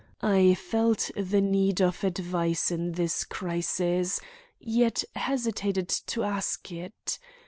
I felt the need of advice in this crisis, yet hesitated to ask it.